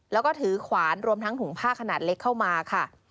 แล้วก็ถือขวานรวมทั้งถุงผ้าขนาดเล็กเข้ามาค่ะ